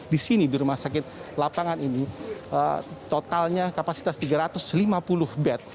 di sini di rumah sakit lapangan ini totalnya kapasitas tiga ratus lima puluh bed